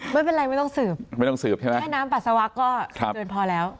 ไม่เป็นไรไม่ต้องสืบไม่ต้องสืบใช่ไหมแค่น้ำปัสสาวก็เตือนพอแล้ว